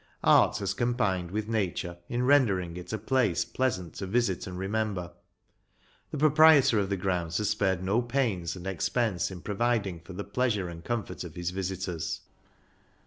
Art has combined with nature in rendering it a place pleasant to visit and remember. The proprietor of the grounds has spared no pains and expense in providing for the pleasure and comfort of his visitors.